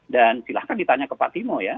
dan silahkan ditanya ke pak timo ya